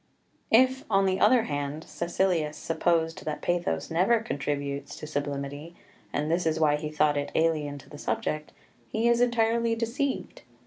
4 If, on the other hand, Caecilius supposed that pathos never contributes to sublimity, and this is why he thought it alien to the subject, he is entirely deceived.